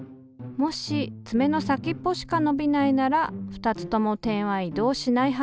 もしつめの先っぽしか伸びないなら２つとも点は移動しないはず。